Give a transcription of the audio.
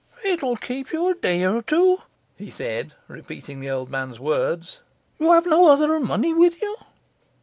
'It will keep you a day or two?' he said, repeating the old man's words. 'You have no other money with you?